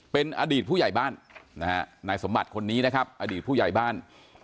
เป็นอดีตผู้ใหญ่บ้านนะฮะนายสมบัติคนนี้นะครับอดีตผู้ใหญ่บ้าน